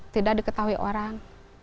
tidak diketahui orang